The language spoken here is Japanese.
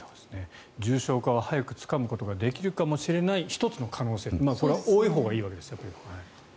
重症化は早くつかむことができるかもしれない１つの可能性、これは多いほうがいいわけですね。